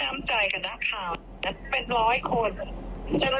ไม่อยากอะไรกับเดชาแล้ว